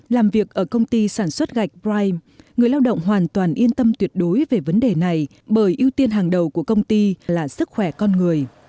làm việc ở công ty sản xuất gạch brime người lao động hoàn toàn yên tâm tuyệt đối về vấn đề này bởi ưu tiên hàng đầu của công ty là sức khỏe con người